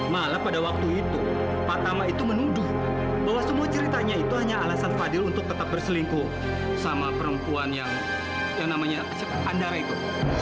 malah pada waktu itu pak tama itu menuduh bahwa semua ceritanya itu hanya alasan fadil untuk tetap berselingkuh sama perempuan yang namanya pandara itu